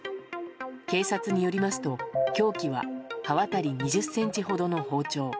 警察によりますと凶器は刃渡り２０ｃｍほどの包丁。